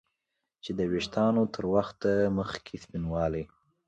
چې د ویښتانو تر وخته مخکې سپینوالی